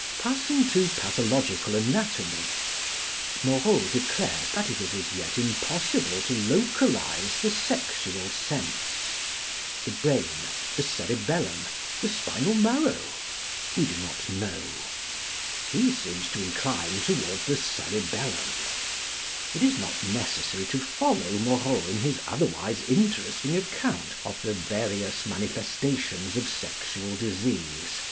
Passing to Pathological Anatomy, Moreau declares that it is as yet impossible to localise the sexual sense. The brain, the cerebellum, the spinal marrow? We do not know. He seems to incline toward the cerebellum. It is not necessary to follow Moreau in his otherwise interesting account of the various manifestations of sexual disease.